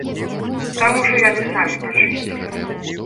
Там ужо яны самі пачысцілі.